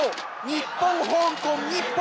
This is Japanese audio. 日本香港日本